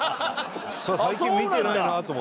最近見てないなと思って。